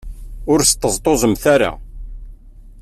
Ur sṭeẓṭuẓemt ara.